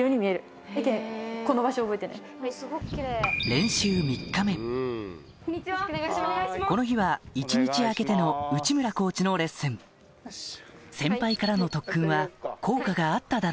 練習３日目この日は一日空けての内村コーチのレッスン先輩からの特訓は効果があっただろうか？